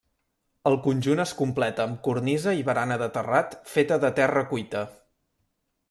El conjunt es completa amb cornisa i barana de terrat feta de terra cuita.